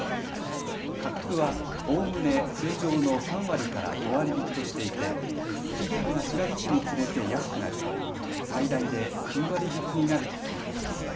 価格は、おおむね通常の３割から５割引きとしていて期限が近づくにつれて安くなり最大で９割引きになるということです。